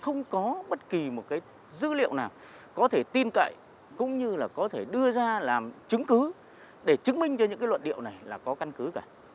không có bất kỳ một cái dữ liệu nào có thể tin cậy cũng như là có thể đưa ra làm chứng cứ để chứng minh cho những cái luận điệu này là có căn cứ cả